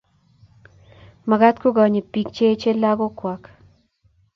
mekat ko konyit biik che echen lagok kwak